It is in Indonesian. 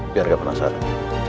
biar gak penasaran